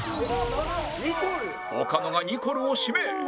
岡野がニコルを指名